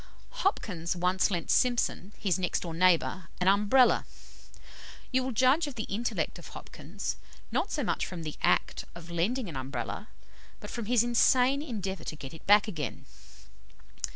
"Hopkins once lent Simpson, his next door neighbour, an Umbrella. You will judge of the intellect of Hopkins, not so much from the act of lending an Umbrella, but from his insane endeavour to get it back again.